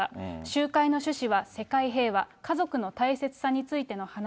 集会の趣旨は世界平和、家族の大切さについての話。